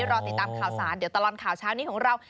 รอติดตามข่าวสารเดี๋ยวตลอดข่าวเช้านี้ของเรา